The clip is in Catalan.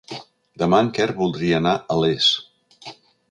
Demà en Quer voldria anar a Les.